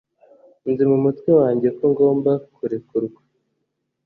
nzi mumutwe wanjye ko ugomba kurekurwa.